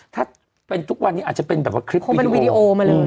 ถ้าเป็นทุกวันนี้อาจจะเป็นคลิปวิดีโอ